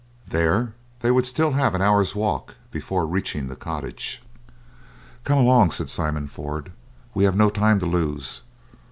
There they would still have an hour's walk before reaching the cottage. "Come along," said Simon Ford. "We have no time to lose.